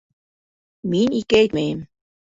Мин ике әйтмәйем.